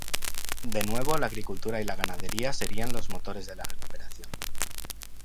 De nuevo, la agricultura y la ganadería serían los motores de la recuperación.